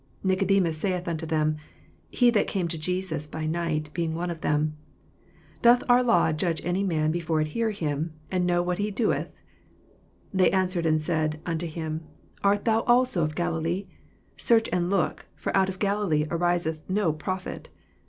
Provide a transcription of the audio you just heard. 60 Nicodemus saith unto them, (he that came to Jesus by night, being one of them,) 61 Doth our law judge any man, before it hear him, and know what he doeth 7 62 They answered and said unto him, Art thou also of Galilee 7 Search, and look: for out of Galilee ariseth no prophet.